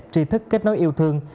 trí thức kết nối yêu thương